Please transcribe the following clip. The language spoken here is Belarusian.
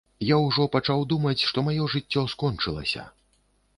Я ўжо пачаў думаць, што маё жыццё скончылася.